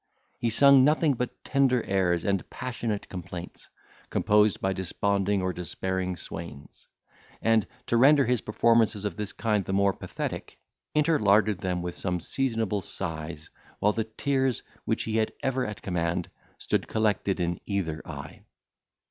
He sung nothing but tender airs and passionate complaints, composed by desponding or despairing swains; and, to render his performances of this kind the more pathetic, interlarded them with some seasonable sighs, while the tears, which he had ever at command, stood collected in either eye.